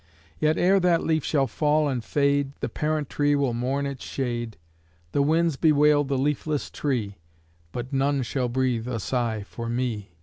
Yet ere that leaf shall fall and fade, The parent tree will mourn its shade, The winds bewail the leafless tree; But none shall breathe a sigh for me!